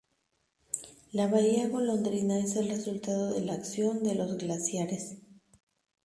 La bahía Golondrina es el resultado de la acción de los glaciares.